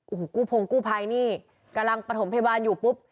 โอ้โหกู้พงกู้ภัยนี่กำลังประถมพยาบาลอยู่ปุ๊บ